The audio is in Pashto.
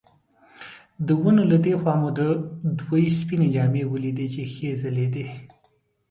د ونو له دې خوا مو د دوی سپینې جامې ولیدلې چې ښې ځلېدې.